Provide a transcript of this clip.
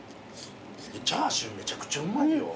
チャーシューめちゃくちゃうまいよ。